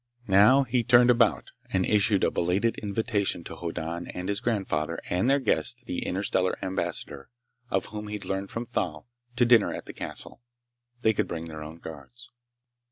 Now he'd turned about and issued a belated invitation to Hoddan and his grandfather and their guest the Interstellar Ambassador—of whom he'd learned from Thal—to dinner at the castle. They could bring their own guards.